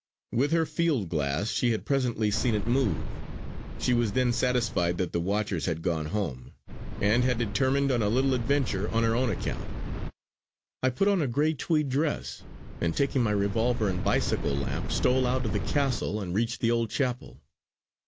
With her field glass she had presently seen it move. She was then satisfied that the watchers had gone home; and had determined on a little adventure on her own account. "I put on a grey tweed dress, and taking my revolver and bicycle lamp, stole out of the castle and reached the old chapel.